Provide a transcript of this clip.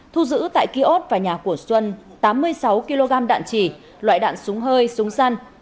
thu giữ tại kiosk và nhà của xuân tám mươi sáu kg đạn chỉ loại đạn súng hơi súng săn